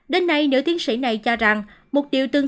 đến nay nữ tiến sĩ này cho rằng